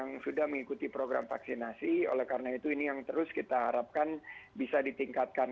yang sudah mengikuti program vaksinasi oleh karena itu ini yang terus kita harapkan bisa ditingkatkan